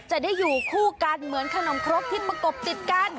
จะได้อยู่คู่กันเหมือนขนมครกที่ประกบติดกัน